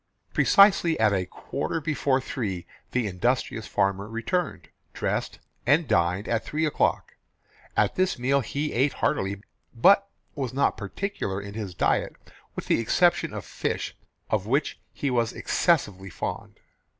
Precisely at a quarter before three the industrious farmer returned, dressed, and dined at three o'clock. At this meal he ate heartily, but was not particular in his diet with the exception of fish, of which he was excessively fond.